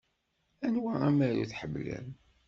Anwa amaru i tḥemmlem?